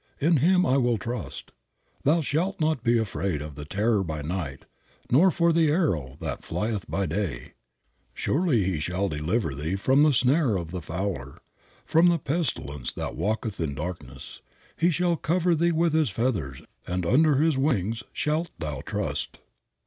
In Him will I trust." "Thou shalt not be afraid of the terror by night, nor for the arrow that flieth by day," "Surely He shall deliver thee from the snare of the fowler, from the pestilence that walketh in darkness," "He shall cover thee with his feathers, and under his wings shalt thou trust."